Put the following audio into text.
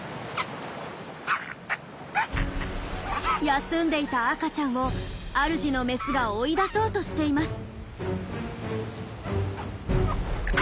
休んでいた赤ちゃんを主のメスが追い出そうとしています。